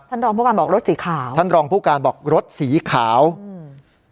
ท่านรองผู้การบอกรถสีขาวท่านรองผู้การบอกรถสีขาวอืม